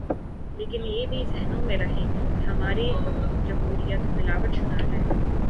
لیکن یہ بھی ذہنوں میں رہے کہ ہماری جمہوریت ملاوٹ شدہ ہے۔